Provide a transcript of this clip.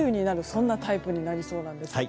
そんなタイプになりそうです。